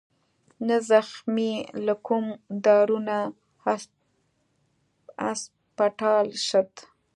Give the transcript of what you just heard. نه زخمى له کوم دارو نه هسپتال شت